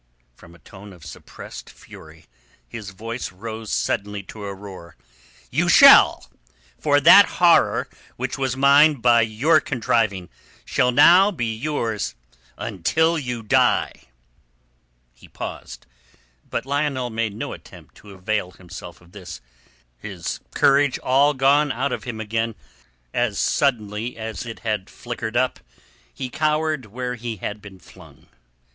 From a tone of suppressed fury his voice rose suddenly to a roar. "You shall. For that horror which was mine by your contriving shall now be yours until you die." He paused; but Lionel made no attempt to avail himself of this. His courage all gone out of him again, as suddenly as it had flickered up, he cowered where he had been flung.